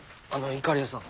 いかりやさん。